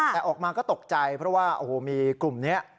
แต่ออกมาก็ตกใจเพราะว่าโอ้โหมีกลุ่มนี้